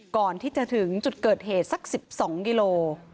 ก่อนที่จะถึงจุดเกิดเหตุสัก๑๒กิโล